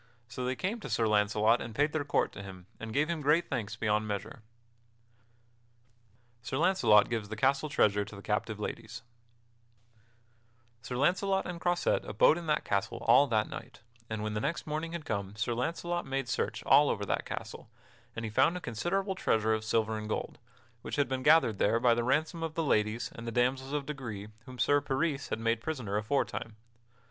So they came to Sir Launcelot and paid their court to him and gave him great thanks beyond measure. [Sidenote: Sir Launcelot gives the castle treasure to the captive ladies] Sir Launcelot and Croisette abode in that castle all that night, and when the next morning had come Sir Launcelot made search all over that castle, and he found a considerable treasure of silver and gold, which had been gathered there by the ransom of the ladies and the damsels of degree whom Sir Peris had made prisoner aforetime.